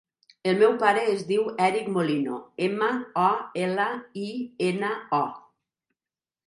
El meu pare es diu Èric Molino: ema, o, ela, i, ena, o.